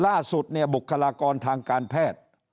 ล่าสุดเนี่ยบุคลากรทางการแพทย์